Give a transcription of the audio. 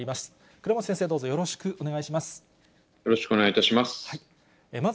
倉持先生、どうぞよろしくお願いいたします。